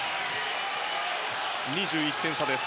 ２１点差です。